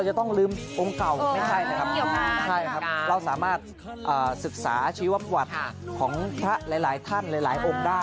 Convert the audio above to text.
อันนี้ควักจากคอมาเลย